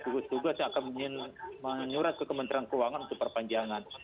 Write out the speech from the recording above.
bukit tugas akan menyurat ke kementerian keuangan untuk perpanjangan